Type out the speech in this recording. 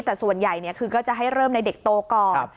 แต่ส่วนใหญ่คือก็จะให้เริ่มในเด็กโตก่อน